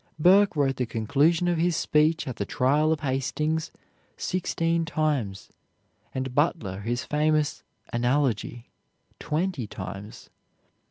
Burke wrote the conclusion of his speech at the trial of Hastings sixteen times, and Butler his famous "Analogy" twenty times.